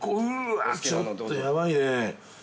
◆ちょっとやばいね。